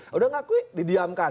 sudah mengakui didiamkan